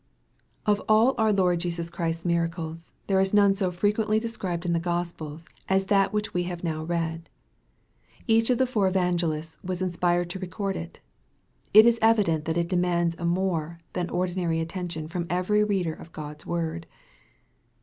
OF all our Lord Jesus Christ's miracles, none is so fre MARK, CHAP. VI. 12T quently described in the G ospels, as that which we have now read. Each of the four Evangelists was inspired to record it. It is evident that it demands a more than ordinary attention from every reader of God's word.